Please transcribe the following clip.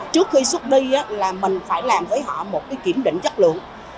trước khi xuất đi là mình phải làm với họ một cái kiểm định chất lượng